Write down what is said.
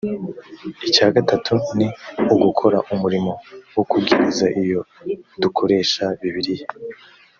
icya gatatu ni ugukora umurimo wo kubwiriza iyo dukoresha bibiliya